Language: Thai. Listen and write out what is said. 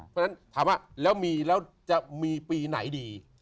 เพราะฉะนั้นถามว่าแล้วมีแล้วจะมีปีไหนดี